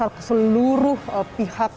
bahwasannya untuk mempercepat digitalisasi